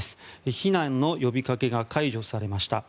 避難の呼びかけが解除されました。